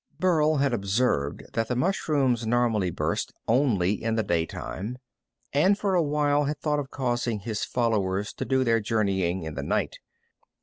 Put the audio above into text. Burl had observed that the mushrooms normally burst only in the daytime, and for a while had thought of causing his followers to do their journeying in the night.